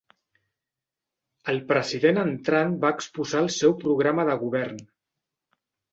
El president entrant va exposar el seu programa de govern.